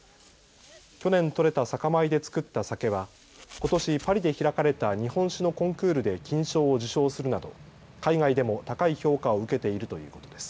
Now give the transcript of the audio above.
去年取れた酒米でつくった酒はことしパリで開かれた日本酒のコンクールで金賞を受賞するなど海外でも高い評価を受けているということです。